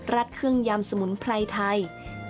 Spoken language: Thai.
ัดเครื่องยำสมุนไพรไทย